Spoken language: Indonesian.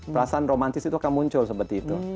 perasaan romantis itu akan muncul seperti itu